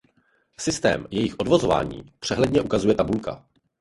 Systém jejich odvozování přehledně ukazuje tabulka.